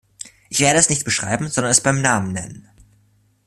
Ich werde es nicht beschreiben, sondern es beim Namen nennen.